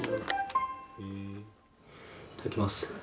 いただきます。